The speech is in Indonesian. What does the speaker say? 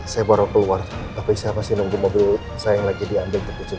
saya baru keluar tapi saya pasti nunggu mobil saya yang lagi diambil